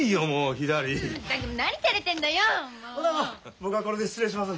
僕はこれで失礼します。